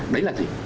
đấy là gì